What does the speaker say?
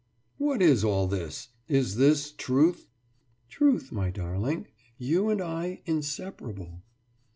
»What is all this? Is this Truth?« »Truth, my darling! You and I inseparable!